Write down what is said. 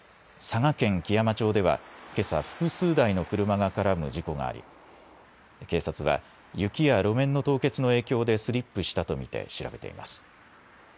佐賀県基山町ではけさ複数台の車が絡む事故があり警察は雪や路面の凍結の影響でスリップしたと見て調べています。